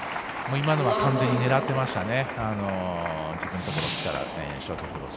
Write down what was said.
今のは完全に狙ってましたね。